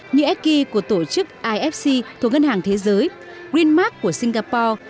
như sky của tổ chức ifc thuộc ngân hàng thế giới greenmark của singapore